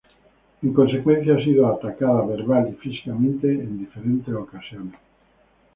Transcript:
En consecuencia, ha sido atacada verbal y físicamente en diversas ocasiones.